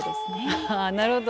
ああなるほど。